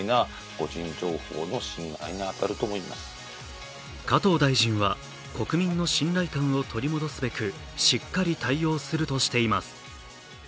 専門家は加藤大臣は国民の信頼感を取り戻すべくしっかり対応するとしています。